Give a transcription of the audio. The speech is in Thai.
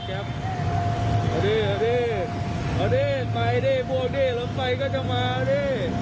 เอาดิเอาดิเอาดิไหมดิบวกดิรถไฟก็จะมาเอาดิ